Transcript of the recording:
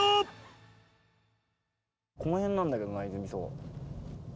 この辺なんだけどないづみ荘。